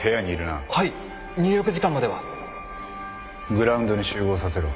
グラウンドに集合させろ。